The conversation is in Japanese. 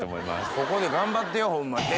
ここで頑張ってよホンマ。